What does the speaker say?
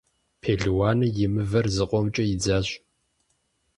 Пелуаным и мывэр зыкъомкӏэ идзащ.